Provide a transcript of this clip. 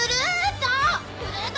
フルート！